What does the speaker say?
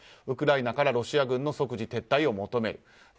ウクライナからロシア軍の即時撤退を求める。